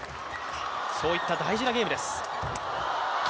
そういった大事なゲームです。